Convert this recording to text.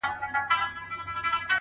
ساقي وتاته مو په ټول وجود سلام دی پيره؛